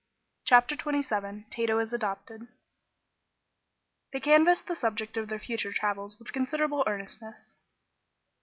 CHAPTER XXVII TATO IS ADOPTED They canvassed the subject of their future travels with considerable earnestness.